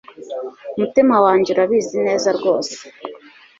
umutima wanjye urabizi neza rwose